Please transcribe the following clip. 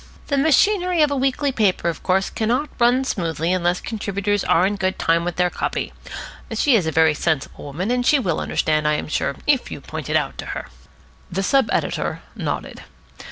The machinery of a weekly paper, of course, cannot run smoothly unless contributors are in good time with their copy. She is a very sensible woman, and she will understand, I am sure, if you point it out to her." The sub editor nodded.